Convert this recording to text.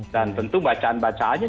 dan tentu bacaan bacaannya